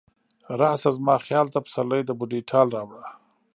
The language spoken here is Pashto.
راشه زما خیال ته، پسرلی د بوډۍ ټال راوړه